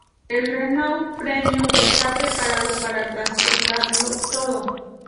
El Renault Premium está preparado para transportarlo todo.